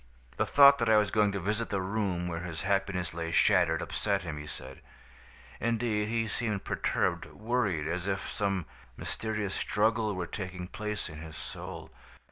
The thought that I was going to visit the room where his happiness lay shattered, upset him, he said. Indeed, he seemed perturbed, worried, as if some mysterious struggle were taking place in his soul.